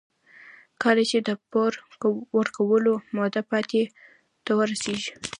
کله چې د پور ورکولو موده پای ته ورسېږي